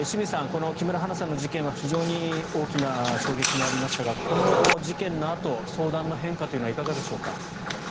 この木村花さんの事件は非常に大きな衝撃がありましたがこの事件のあと相談の変化というのがいかがでしょうか。